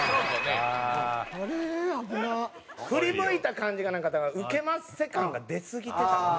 振り向いた感じがなんかだからウケまっせ感が出すぎてたかな。